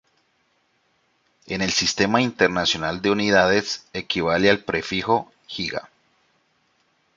En el Sistema Internacional de Unidades equivale al prefijo giga.